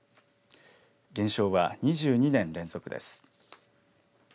減少は２２年連続です。